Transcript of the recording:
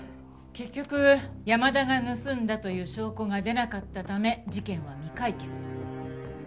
結局山田が盗んだという証拠が出なかったため事件は未解決。